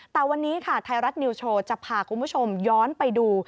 แต่วันนี้ค่ะไทยรัฐนิวโชว์จะพาคุณผู้ชมย้อนไปดู